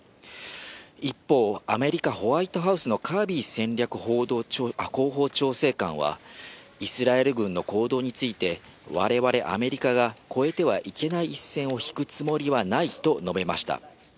一方、アメリカ・ホワイトハウスのカービー戦略広報調整官は、イスラエル軍の行動について、われわれアメリカが越えてはいけない一線を引くつもりはないと述べました。